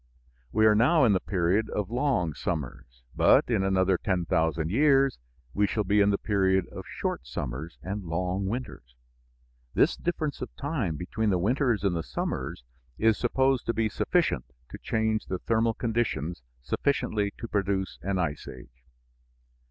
We are now in the period of long summers, but in another 10,000 years we shall be in the period of short summers and long winters. This difference of time between the winters and the summers is supposed to be sufficient to change the thermal conditions sufficiently to produce an ice age.